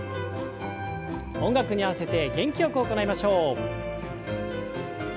音楽に合わせて元気よく行いましょう。